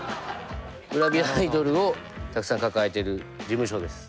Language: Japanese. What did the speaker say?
グラビアアイドルをたくさん抱えてる事務所です。